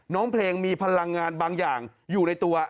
น้องเพลงมีพลังงานบางอย่างอยู่ในตัว